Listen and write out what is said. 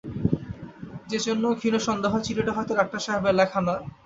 যে-জন্যে ক্ষীণ সন্দেহ হয়, চিঠিটা হয়তো ডাক্তার সাহেবের লেখা নয়।